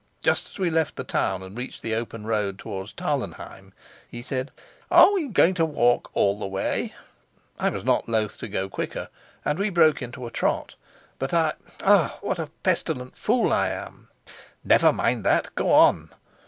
Just as we left the town and reached the open road towards Tarlenheim, he said, 'Are we going to walk all the way? I was not loath to go quicker, and we broke into a trot. But I ah, what a pestilent fool I am!" "Never mind that go on."